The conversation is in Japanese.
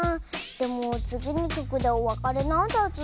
でもつぎのきょくでおわかれなんだズー。